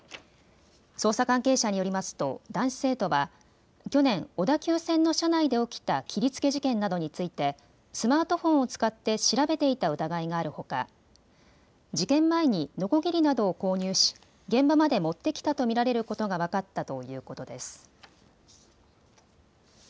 捜査関係者によりますと男子生徒は去年、小田急線の車内で起きた切りつけ事件などについて、スマートフォンを使って調べていた疑いがあるほか事件前にのこぎりなどを購入し現場まで持ってきたと見られることが分かったということです。